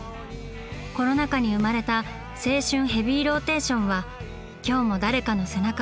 コロナ禍に生まれた「青春ヘビーローテーション」は今日も誰かの背中を押しています。